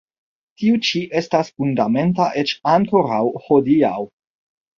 Tiu ĉi estas fundamenta eĉ ankoraŭ hodiaŭ.